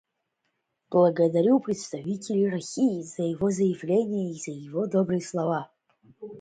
Благодарю представителя России за его заявление и за его добрые слова.